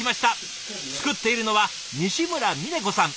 作っているのは西村峰子さん